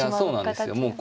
いやそうなんですよ。